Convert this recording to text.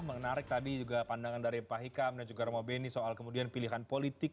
menarik tadi juga pandangan dari pak hikam dan juga romo beni soal kemudian pilihan politik